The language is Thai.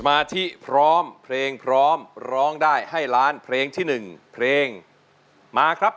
มาที่พร้อมเพลงพร้อมร้องได้ให้ล้านเพลงที่๑เพลงมาครับ